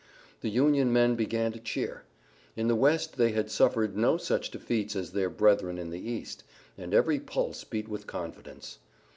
The Union men began to cheer. In the West they had suffered no such defeats as their brethren in the East, and every pulse beat with confidence.